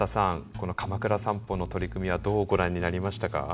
このかまくら散歩の取り組みはどうご覧になりましたか？